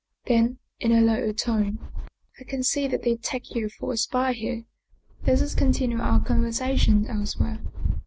Then in a lower tone, " I can see that they take you for a spy here. Let us continue our conversation else where."